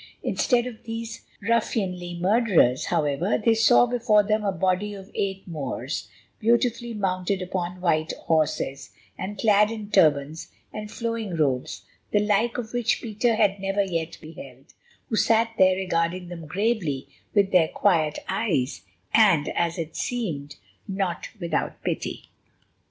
Instead of these ruffianly murderers, however, they saw before them a body of eight Moors, beautifully mounted upon white horses, and clad in turbans and flowing robes, the like of which Peter had never yet beheld, who sat there regarding them gravely with their quiet eyes, and, as it seemed, not without pity.